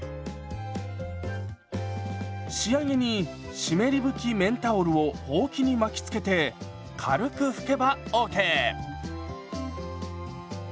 仕上げに湿り拭き綿タオルをほうきに巻きつけて軽く拭けばＯＫ！